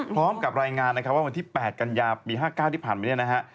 พร้อมกับรายงานวันที่๘กันยาปี๕๙ที่ผ่านไปนี้นะครับ